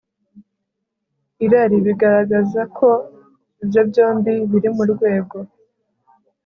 irari, bigaragaza ko ibyo byombi biri mu rwego